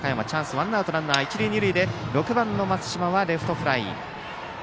ワンアウトランナー、一塁二塁で６番の松嶋はレフトフライ。